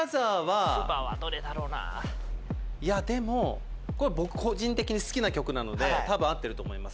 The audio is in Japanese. いやでもこれ僕個人的に好きな曲なのでたぶん合ってると思います